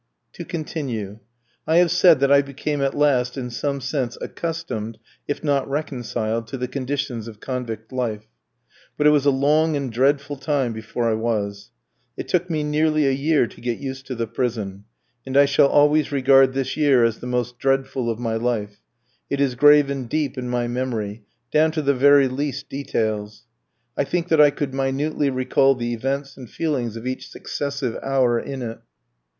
To continue. I have said that I became at last, in some sense, accustomed, if not reconciled, to the conditions of convict life; but it was a long and dreadful time before I was. It took me nearly a year to get used to the prison, and I shall always regard this year as the most dreadful of my life, it is graven deep in my memory, down to the very least details. I think that I could minutely recall the events and feelings of each successive hour in it.